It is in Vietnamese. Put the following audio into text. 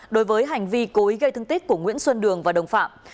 đối với hành vi cố ý gây thương tích của nguyễn xuân đường và đồng phạm